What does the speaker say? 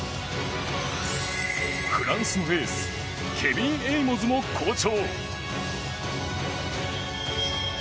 フランスのエースケビン・エイモズも好調。